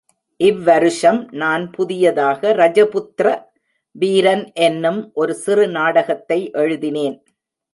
இவ்வருஷம் நான் புதியதாக, ரஜபுத்ர வீரன் என்னும் ஒரு சிறு நாடகத்தை எழுதினேன்.